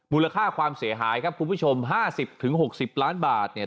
มูลค่าความเสียหายครับคุณผู้ชม๕๐๖๐ล้านบาทเนี่ย